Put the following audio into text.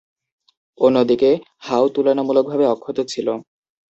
অন্যদিকে, হাও তুলনামূলকভাবে অক্ষত ছিল।